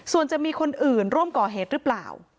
ส่วนจะมีคนอื่นร่วมก่อเหตุหรือเปล่า